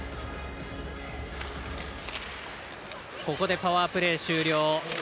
ここでパワープレー終了。